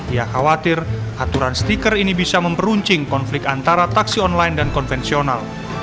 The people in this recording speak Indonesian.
ia khawatir aturan stiker ini bisa memperuncing konflik antara taksi online dan konvensional